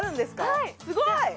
はいすごい！